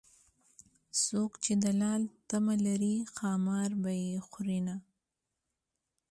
څوک چې د لال تمه لري ښامار به يې خورینه